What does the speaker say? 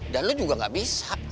dan lu juga gak bisa